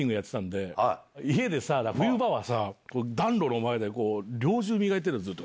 家で冬場は暖炉の前で猟銃磨いてるのずっと。